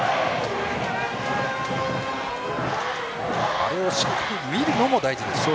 あれをしっかり見るのも大事ですね。